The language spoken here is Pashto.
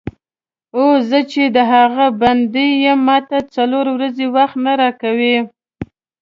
او زه چې د هغه بنده یم ماته څلور ورځې وخت نه راکوې.